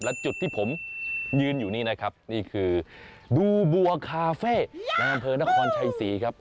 และจุดที่ผมยืนอยู่นี่นะครับนี่คือดูบัวคาเฟ่ในอำเภอนครชัยศรีครับ